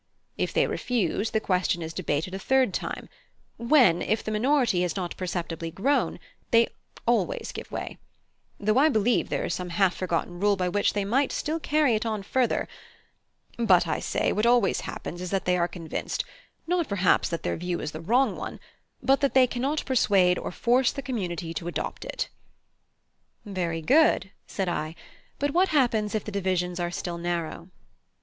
If they refuse, the question is debated a third time, when, if the minority has not perceptibly grown, they always give way; though I believe there is some half forgotten rule by which they might still carry it on further; but I say, what always happens is that they are convinced, not perhaps that their view is the wrong one, but they cannot persuade or force the community to adopt it." "Very good," said I; "but what happens if the divisions are still narrow?"